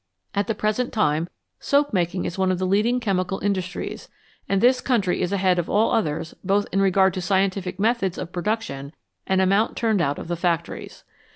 At the present time, soap making is one of the leading chemical industries, and this country is ahead of all others both in regard to scientific methods of production and amount turned out of the factories.